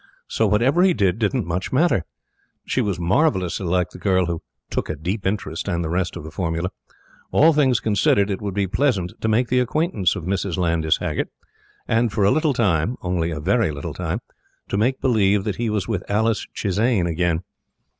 So whatever he did didn't much matter. She was marvellously like the girl who "took a deep interest" and the rest of the formula. All things considered, it would be pleasant to make the acquaintance of Mrs. Landys Haggert, and for a little time only a very little time to make believe that he was with Alice Chisane again.